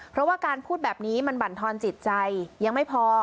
เพราะว่าการพูดแบบนี้มันบรรทอนจิตใจยังไม่พอ